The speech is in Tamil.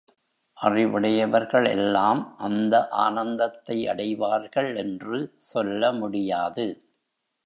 அறிவுடையவர்கள் எல்லாம் அந்த ஆனந்தத்தை அடைவார்கள் என்று சொல்ல முடியாது.